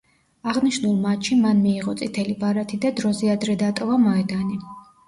აღნიშნულ მატჩში მან მიიღო წითელი ბარათი და დროზე ადრე დატოვა მოედანი.